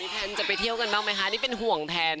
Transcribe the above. แทนจะไปเที่ยวกันบ้างไหมคะนี่เป็นห่วงแทน